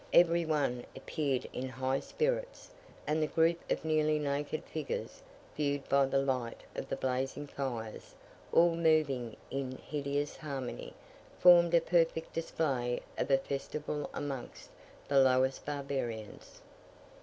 Every one appeared in high spirits, and the group of nearly naked figures, viewed by the light of the blazing fires, all moving in hideous harmony, formed a perfect display of a festival amongst the lowest barbarians.